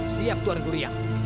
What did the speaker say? siap tuan gurian